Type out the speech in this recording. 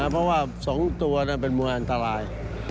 เพราะว่า๒ตัวเป็นมวยอันตราย